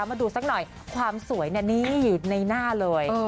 มาดูสักหน่อยความสวยนี่อยู่ในหน้าเลย